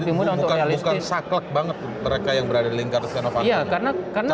bukan saklek banget mereka yang berada di lingkaran setia no panto